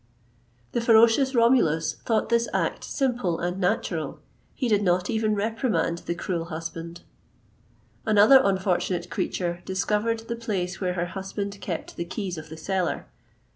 The ferocious Romulus thought this act simple and natural: he did not even reprimand the cruel husband.[XXVIII 137] Another unfortunate creature discovered the place where her husband kept the keys of the cellar.